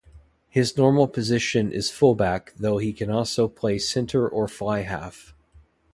His normal position is fullback though he can also play centre or fly-half.